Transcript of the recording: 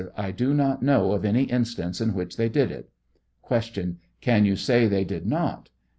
I do not know of any instance in which they did it. Q. Can you say they did not